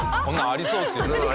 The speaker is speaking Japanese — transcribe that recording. こんなのありそうですよね。